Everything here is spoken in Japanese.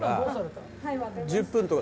１０分とか。